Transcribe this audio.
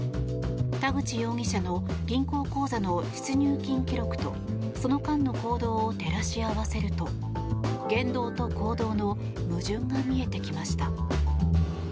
田口容疑者の銀行口座の出入金記録とその間の行動を照らし合わせると言動と行動の矛盾が見えてきました。